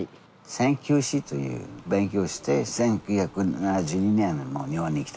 宣教師という勉強して１９７２年日本に来たんですよ。